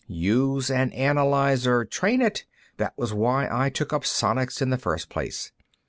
"Use an analyzer; train it. That was why I took up sonics, in the first place.